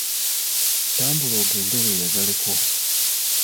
Tambula ogende weeyagaleko